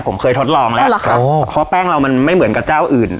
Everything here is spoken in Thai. ผมเคยทดลองแล้วเพราะแป้งเรามันไม่เหมือนกับเจ้าอื่น